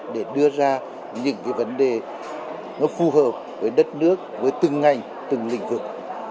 để đưa ra những cái vấn đề nó phù hợp với đất nước với từng ngành từng lĩnh vực